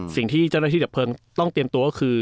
สิ่งที่เจ้าหน้าที่ดับเพลิงต้องเตรียมตัวก็คือ